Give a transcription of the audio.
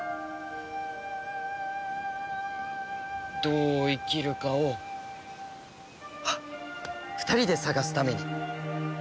どう生きるかを２人で探すために。